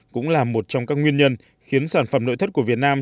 cũng là một trong các nguyên nhân khiến sản phẩm nội thất của việt nam